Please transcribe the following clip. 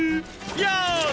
よし！